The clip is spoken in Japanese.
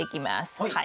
はい。